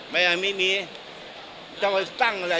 มีจะตั้งอย่าก็ตั้งใด